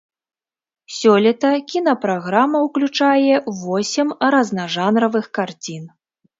Сёлета кінапраграма ўключае восем разнажанравых карцін.